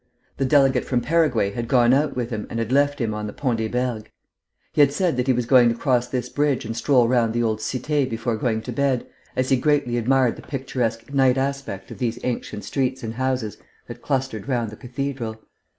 The delegate from Paraguay had gone out with him and had left him on the Pont des Bergues. He had said that he was going to cross this bridge and stroll round the old cité before going to bed, as he greatly admired the picturesque night aspect of these ancient streets and houses that clustered round the cathedral.